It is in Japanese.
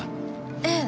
ええ。